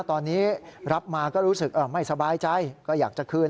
ตอนนี้รับมาก็รู้สึกไม่สบายใจก็อยากจะคืน